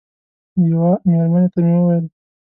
یوه مېرمنې ته مې وویل.